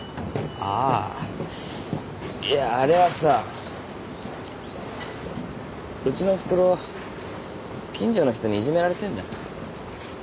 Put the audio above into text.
ああいやあれはさうちのおふくろ近所の人にいじめられてんだ。